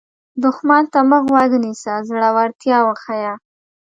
دښمن ته مه غوږ نیسه، زړورتیا وښیه